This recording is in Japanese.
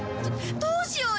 どどうしよう？